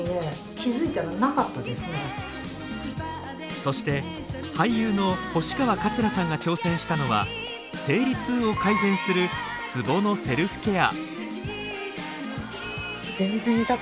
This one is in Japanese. そして俳優の星川桂さんが挑戦したのは生理痛を改善するツボのセルフケア。